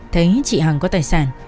thấy chị hằng có tài sản